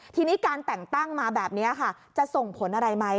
ทีนี้การแต่งตั้งมาแบบนี้ค่ะจะส่งผลอะไรไหม